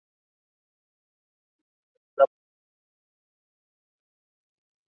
Fue una vivienda privada y la hospedería del convento de Madre de Dios.